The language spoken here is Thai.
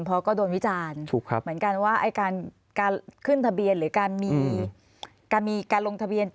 เพราะก็โดนวิจารณ์เหมือนกันว่าการขึ้นทะเบียนหรือการมีการลงทะเบียน